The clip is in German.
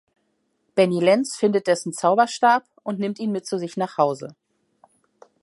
Benny Lenz findet dessen Zauberstab und nimmt ihn mit zu sich nach Hause.